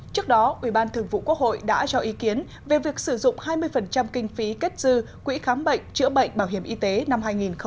trước đó ủy ban thường vụ quốc hội đã cho ý kiến về việc sử dụng hai mươi kinh phí kết dư quỹ khám bệnh chữa bệnh bảo hiểm y tế năm hai nghìn một mươi bảy